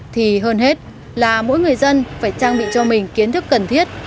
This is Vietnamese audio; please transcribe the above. thì hơn hết là mỗi người dân phải trang bị cho mình kiến thức cần thiết